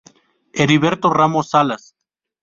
Heriberto Ramos Salas.